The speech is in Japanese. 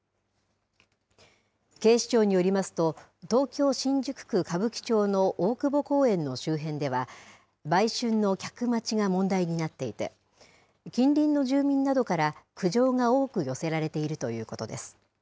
警視庁によりますと、東京・新宿区歌舞伎町の大久保公園の周辺では、売春の客待ちが問題になっていて、近隣の住民などから、苦情が多く寄せられているということです。